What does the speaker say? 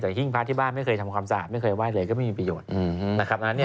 แต่หิ้งพระที่บ้านไม่เคยทำความสะอาดไม่เคยไหว้เลยก็ไม่มีประโยชน์นะครับ